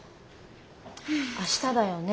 明日だよね？